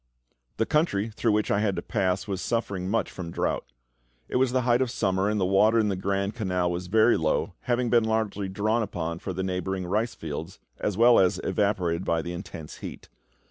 The country through which I had to pass was suffering much from drought; it was the height of summer; and the water in the Grand Canal was very low, having been largely drawn upon for the neighbouring rice fields, as well as evaporated by the intense heat.